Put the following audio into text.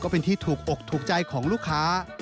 เป็นที่ถูกอกถูกใจของลูกค้า